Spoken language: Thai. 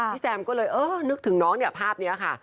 พี่แซมก็เลยเออนึกถึงน้องภาพนี้ค่ะ